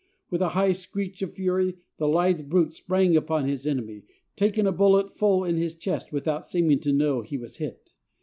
With a high screech of fury, the lithe brute sprang upon his enemy, taking a bullet full in his chest without seeming to know he was hit.